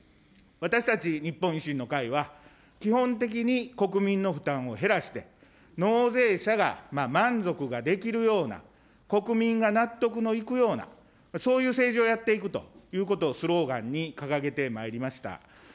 私たち日本維新の会は、基本的に国民の負担を減らして、納税者が満足ができるような、国民が納得のいくような、そういう政治をやっていくということをスローガンに掲げてまいりました。